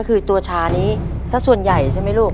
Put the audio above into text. ก็คือตัวชานี้สักส่วนใหญ่ใช่ไหมลูก